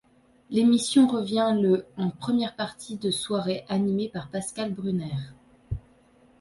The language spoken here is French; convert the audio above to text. L'émission revient le en première partie de soirée, animée par Pascal Brunner.